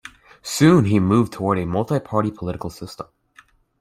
Soon he moved toward a multiparty political system.